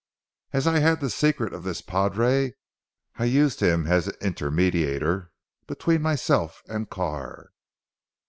As I had the secret of this padre I used him as an intermediator between myself and Carr."